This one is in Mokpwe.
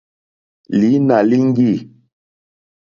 Lǐnà líŋɡî.